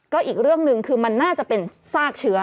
ก็อีกเรื่องหนึ่งคือมันน่าจะเป็นซากเชื้อ